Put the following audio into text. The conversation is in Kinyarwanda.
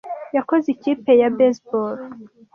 Yakoze ikipe ya baseball.